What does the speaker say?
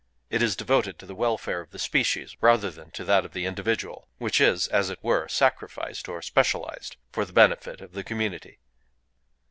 It is devoted to the welfare of the species rather than to that of the individual, which is, as it were, sacrificed or specialized for the benefit of the community."